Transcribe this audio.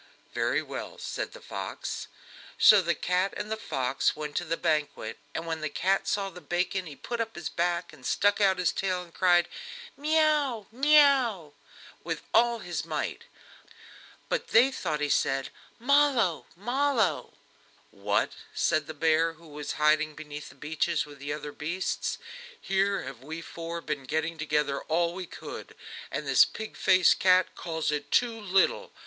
"Very well," said the fox. So the cat and the fox went to the banquet, and when the cat saw the bacon he put up his back and stuck out his tail, and cried: "Mee oo, mee oo!" with all his might. But they thought he said: "Ma lo, ma lo!" [Footnote 2: "What a little! What a little!"] "What!" said the bear, who was hiding behind the beeches with the other beasts, "here have we four been getting together all we could, and this pig faced cat calls it too little!